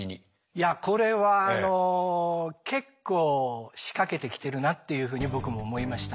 いやこれはあの結構仕掛けてきてるなっていうふうに僕も思いました。